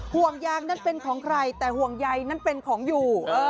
ห่วงยางนั้นเป็นของใครแต่ห่วงใยนั่นเป็นของอยู่